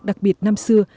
đặc biệt năm xưa